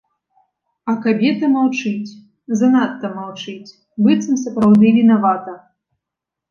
А кабета маўчыць, занадта маўчыць, быццам сапраўды вінавата.